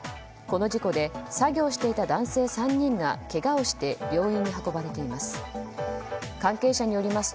この事故で作業をしていた男性３人がけがをして病院に運ばれています。